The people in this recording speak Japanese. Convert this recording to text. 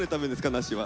梨は。